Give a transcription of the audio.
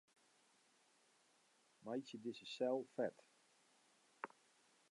Meitsje dizze sel fet.